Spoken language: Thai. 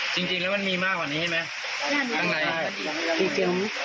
จริงแล้วมันมีมากกว่านี้เห็นมั้ย